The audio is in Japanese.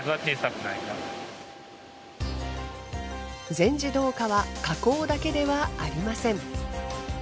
全自動化は加工だけではありません。